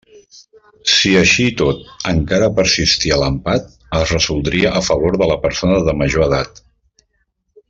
Si, així i tot, encara persistia l'empat, es resoldria a favor de la persona de major edat.